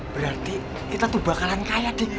berarti kita tuh bakalan kaya deh